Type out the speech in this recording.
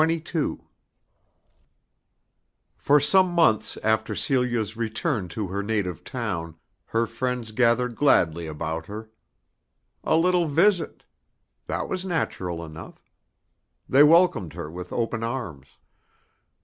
For some months after Celia's return to her native town, her friends gathered gladly about her. A little visit! That was natural enough. They welcomed her with open arms.